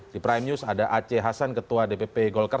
di prime news ada aceh hasan ketua dpp golkar